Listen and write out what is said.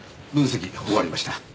分析終わりました。